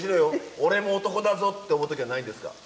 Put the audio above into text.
俺も男だぞ」って思う時はないんですか？